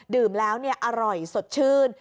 ดื่มแล้วอร่อยสดชื่น